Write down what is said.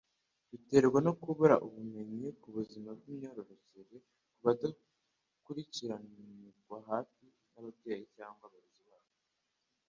biterwa no kubura ubumenyi ku buzima bw'imyororokere, kudakurikiranirwa hafi n'ababyeyi cyangwa abarezi babo.